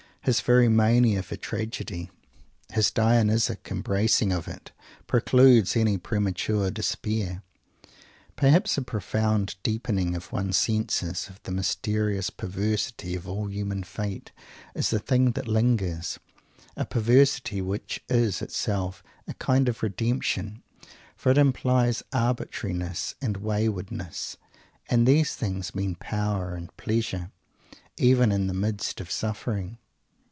His very mania for tragedy, his Dionysic embracing of it, precludes any premature despair. Perhaps a profound deepening of one's sense of the mysterious perversity of all human fate is the thing that lingers, a perversity which is itself a kind of redemption, for it implies arbitrariness and waywardness, and these things mean power and pleasure, even in the midst of suffering.